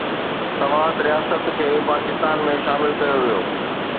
سوات رياست کي پاڪستان ۾ شامل ڪيو ويو.